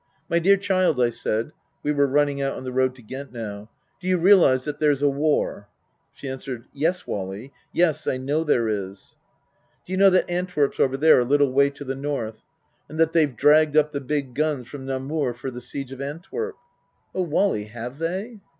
290 Tasker Jevons " My dear child," I said (we were running out on the road to Ghent now), " do you realize that there's a war ?" She answered, " Yes, Wally, yes, I know there is." " Do you know that Antwerp's over there, a little way to the north ? And that they've dragged up the big guns from Namur for the siege of Antwerp ?"" Oh, Wally have they